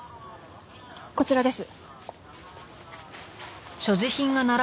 こちらです。